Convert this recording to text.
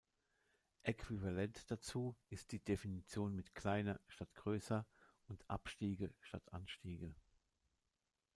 Äquivalent dazu ist die Definition mit „kleiner“ statt „größer“ und „Abstiege“ statt „Anstiege“.